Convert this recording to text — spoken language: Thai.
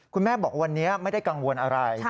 คุณแม่บอกวันนี้ไม่ได้กังวลอะไร